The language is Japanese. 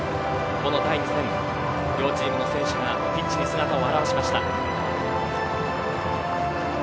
この第２戦、両チームの選手がピッチに姿を現しました。